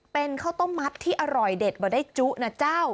เป็นข้าวต้มมัดที่อร่อยเด็ดกว่าได้จุนะเจ้า